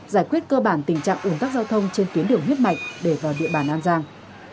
giải quyết cơ bản tình trạng ủn tắc giao thông trên tuyến đường huyết mạch để vào địa bàn an giang